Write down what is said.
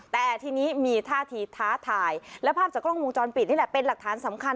แต่ทีนี้มีท่าทีท้าทายและภาพจากกล้องวงจรปิดนี่แหละเป็นหลักฐานสำคัญ